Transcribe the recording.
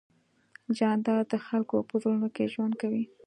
جانداد د خلکو په زړونو کې ژوند کوي.